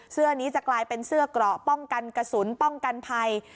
เสื้อนี้จะกลายเป็นเสื้อเกราะป้องกันกระสุนป้องกันภัย